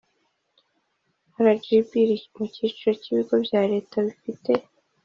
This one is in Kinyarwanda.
Rgb iri mu cyiciro cy ibigo bya leta bifite